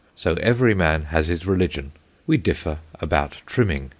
So every man has his Religion. We differ about Trimming.